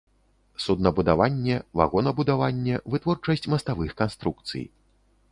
Суднабудаванне, вагонабудаванне, вытворчасць маставых канструкцый.